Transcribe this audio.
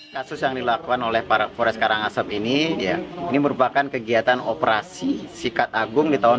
kasus yang dilakukan oleh para pores karangasem ini ini merupakan kegiatan operasi sikat agung di tahun dua ribu